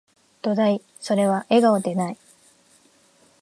どだい、それは、笑顔でない